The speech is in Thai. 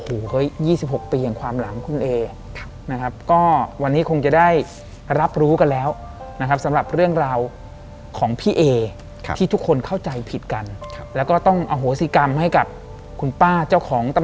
โอ้โหอายุ๒๖ปีกันอย่างความหลังคุณเอ